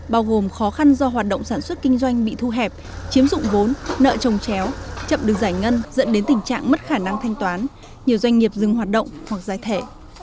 bao gồm khó khăn do hoạt động sản xuất kinh doanh bị thu hẹp chiếm dụng vốn nợ trồng chéo chậm được giải ngân dẫn đến tình trạng mất khả năng thanh toán nhiều doanh nghiệp dừng hoạt động hoặc giái thẻ